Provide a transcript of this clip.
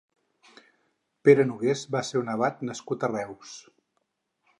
Pere Noguers va ser un abat nascut a Reus.